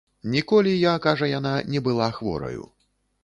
Ніколі я, кажа яна, не была хвораю.